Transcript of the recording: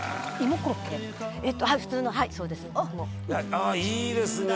「ああいいですね！」